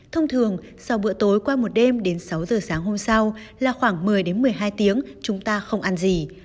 thông thường sau bữa tối qua một đêm đến sáu giờ sáng hôm sau là khoảng một mươi đến một mươi hai tiếng chúng ta không ăn gì